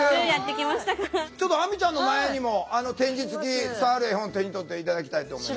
ちょっと亜美ちゃんの前にも点字つき触る絵本手に取って頂きたいと思います。